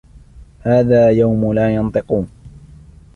هذا يوم لا ينطقون